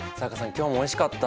今日もおいしかった！